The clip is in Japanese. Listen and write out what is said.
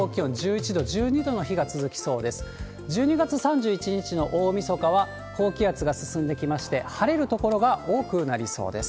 １２月３１日の大みそかは、高気圧が進んできまして、晴れる所が多くなりそうです。